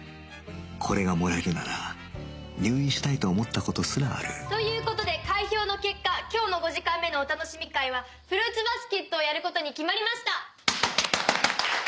これがもらえるなら入院したいと思った事すらあるという事で開票の結果今日の５時間目のお楽しみ会はフルーツバスケットをやる事に決まりました。